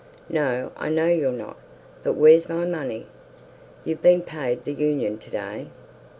"No, I know you're not. But wheer's my money? You've been paid the Union to day.